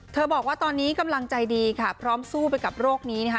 บอกว่าตอนนี้กำลังใจดีค่ะพร้อมสู้ไปกับโรคนี้นะคะ